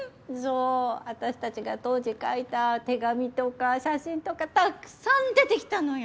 あたし達が当時書いた手紙とか写真とかたっくさん出てきたのよ。